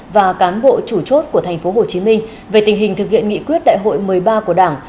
và cán bộ chủ chốt của tp hcm về tình hình thực hiện nghị quyết đại hội một mươi ba của đảng